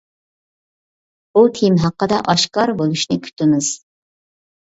بۇ تېما ھەققىدە ئاشكارا بولۇشنى كۈتىمىز.